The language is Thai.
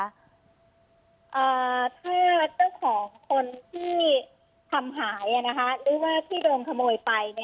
ถ้าเจ้าของคนที่ทำหายหรือว่าที่โดนขโมยไป